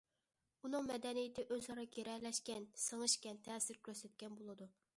ئۇنىڭ مەدەنىيىتى ئۆزئارا گىرەلەشكەن، سىڭىشكەن، تەسىر كۆرسەتكەن بولىدۇ.